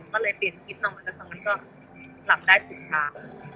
ก็เลยเปลี่ยนคลิปน้องมันแล้วค่ะมันก็หลับได้สุดช้า